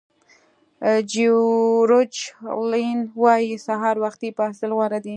جیورج الین وایي سهار وختي پاڅېدل غوره دي.